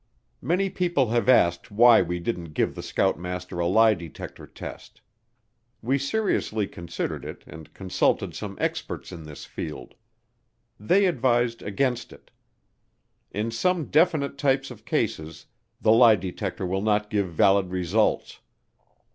Many people have asked why we didn't give the scoutmaster a lie detector test. We seriously considered it and consulted some experts in this field. They advised against it. In some definite types of cases the lie detector will not give valid results.